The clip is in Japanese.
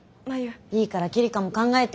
いいから希梨香も考えて。